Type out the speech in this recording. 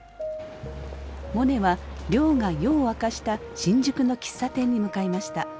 モネは亮が夜を明かした新宿の喫茶店に向かいました。